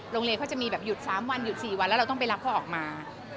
โรงเรียนเขาจะมีแบบหยุด๓วันหยุด๔วันแล้วเราต้องไปรับเขาออกมา